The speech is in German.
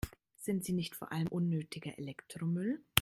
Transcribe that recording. Sind sie nicht vor allem unnötiger Elektromüll?